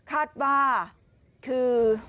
คาดว่าคือ